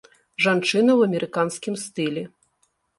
Жанчына ў амерыканскім стылі.